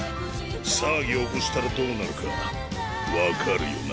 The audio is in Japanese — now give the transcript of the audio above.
騒ぎを起こしたらどうなるか分かるよな？